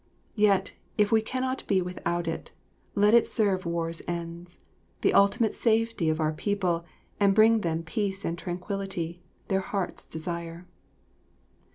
Yet, if we cannot be without it, let it serve war's ends the ultimate safety of our people, and bring them peace and tranquillity, their heart's desire.